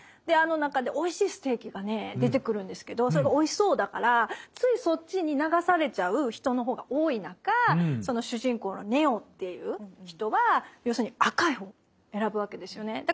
であの中でおいしいステーキがね出てくるんですけどそれがおいしそうだからついそっちに流されちゃう人の方が多い中主人公のネオっていう人は要するに赤い方を選ぶわけですよね。